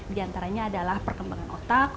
di antaranya adalah perkembangan otak